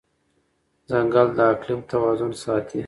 ځنګل د اقلیم توازن ساتي.